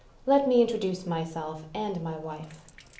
Let me in troduce myself and my wife.